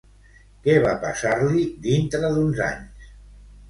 Què va passar-li dintre d'uns anys?